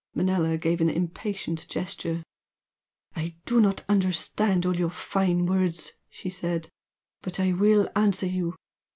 Manella gave an impatient gesture. "I do not understand all your fine words" she said "But I will answer you.